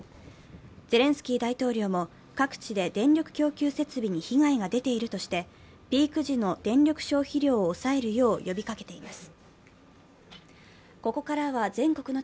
ゼレンスキー大統領も各地で電力供給設備に被害が出ているとしてピーク時の電力消費量を抑えるよう呼びかけています。